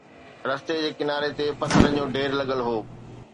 رستي جي ڪناري تي پٿرن جو ڍير لڳل هو